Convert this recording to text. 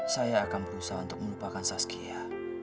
saya akan berusaha untuk melupakan saskia